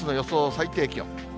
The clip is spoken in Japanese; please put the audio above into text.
最低気温。